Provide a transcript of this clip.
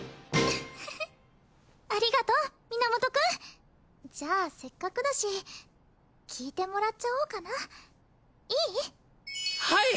フフありがとう源くんじゃあせっかくだし聞いてもらっちゃおうかないい？